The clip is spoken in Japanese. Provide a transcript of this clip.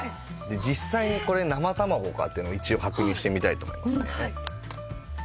実際にこれ生卵かっていうのを一応確認してみたいと思いますね。